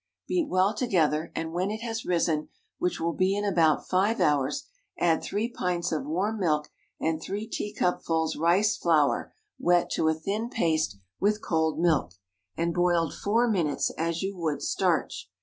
Beat well together, and when it has risen, which will be in about five hours, add three pints of warm milk and three teacupfuls rice flour wet to a thin paste with cold milk, and boiled four minutes as you would starch.